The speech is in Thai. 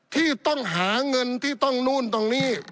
ที่ต้องหาเงินที่ต้องนู่นตรงนี้